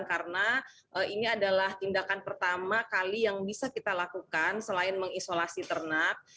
karena ini adalah tindakan pertama kali yang bisa kita lakukan selain mengisolasi ternak